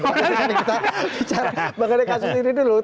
oke kita bicara mengenai kasus ini dulu